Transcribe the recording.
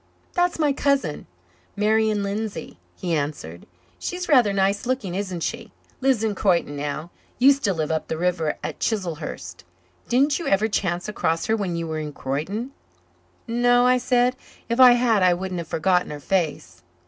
"That's my cousin, Marian Lindsay," he answered. "She is rather nice looking, isn't she. Lives in Croyden now used to live up the river at Chiselhurst. Didn't you ever chance across her when you were in Croyden?" "No," I said. "If I had I wouldn't have forgotten her face."